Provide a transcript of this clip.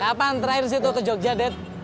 kapan terakhir si itu ke jogja det